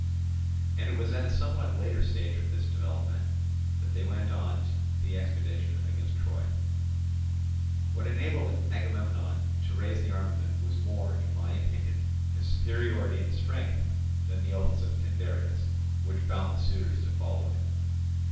And it was at a somewhat later stage of this development that they went on the expedition against Troy. What enabled Agamemnon to raise the armament was more, in my opinion, his superiority in strength, than the oaths of Tyndareus, which bound the suitors to follow him.